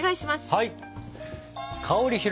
はい！